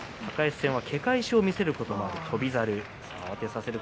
高安戦は、け返しを見せることもありました。